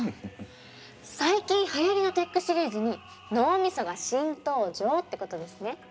最近はやりのテックシリーズに脳みそが新登場ってことですね。